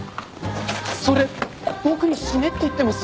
それ僕に死ねって言ってます？